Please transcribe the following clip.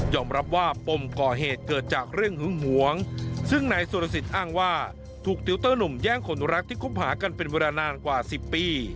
รับว่าปมก่อเหตุเกิดจากเรื่องหึงหวงซึ่งนายสุรสิทธิ์อ้างว่าถูกติวเตอร์หนุ่มแย่งคนรักที่คบหากันเป็นเวลานานกว่า๑๐ปี